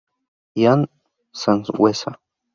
Ian Sanhueza